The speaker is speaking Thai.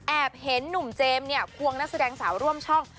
เห็นหนุ่มเจมส์เนี่ยควงนักแสดงสาวร่วมช่อง